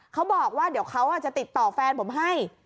เขาบอกว่าเดี๋ยวเขาจะติดต่อแฟนผมให้